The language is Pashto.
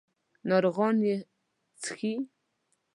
ناروغان یې څښي.